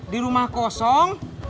di rumah kosong